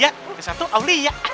yang satu naulillya